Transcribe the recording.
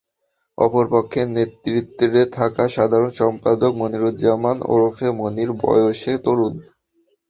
অপর পক্ষের নেতৃত্বে থাকা সাধারণ সম্পাদক মনিরুজ্জামান ওরফে মনির বয়সে তরুণ।